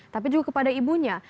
tapi juga kepada ibunya